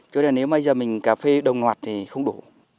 cho nên nếu mà bây giờ mình cà phê đồng hoạt thì không đủ